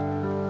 gak ada apa apa